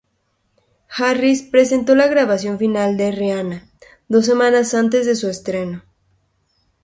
Harris presentó la grabación final a Rihanna, dos semanas antes de su estreno.